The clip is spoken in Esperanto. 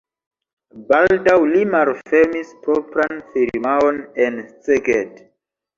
Baldaŭ li malfermis propran firmaon en Szeged.